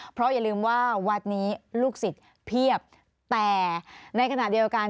เพราะอย่าลืมว่าวัดนี้ลูกศิษย์เพียบแต่ในขณะเดียวกัน